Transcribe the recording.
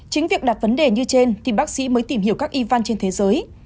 chính việc đặt vấn đề như trên thì bác sĩ mới tìm hiểu các y văn trên thế giới